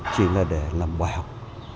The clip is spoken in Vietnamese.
chỉ là để làm bài học